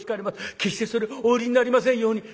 決してそれをお売りになりませんように。